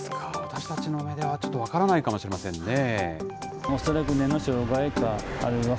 私たちの目では、ちょっと分からないかもしれませんね。